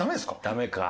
ダメか。